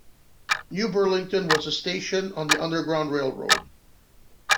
New Burlington was a "station" on the Underground Railroad.